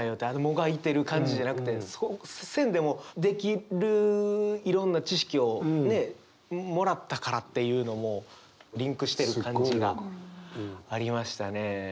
あのもがいてる感じじゃなくてそうせんでもできるいろんな知識をねもらったからっていうのもリンクしてる感じがありましたね。